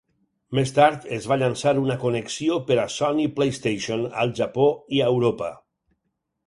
Més tard, es va llançar una connexió per a Sony PlayStation al Japó i a Europa.